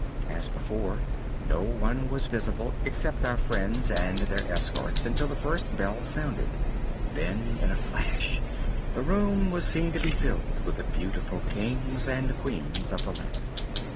As before, no one was visible except our friends and their escorts until the first bell sounded. Then in a flash the room was seen to be filled with the beautiful Kings and Queens of the land.